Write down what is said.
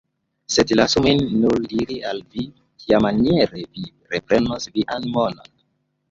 Sed lasu min nur diri al vi, kiamaniere vi reprenos vian monon.